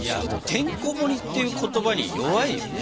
「てんこもり」っていう言葉に弱いよね。